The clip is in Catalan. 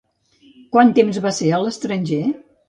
Quant temps va ser a l'estranger?